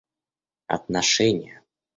отношения